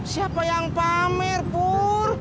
siapa yang pamer purr